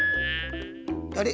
あれ？